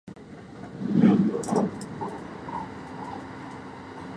を―あ